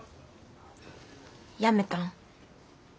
やめたん？